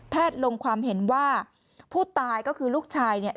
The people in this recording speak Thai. ลงความเห็นว่าผู้ตายก็คือลูกชายเนี่ย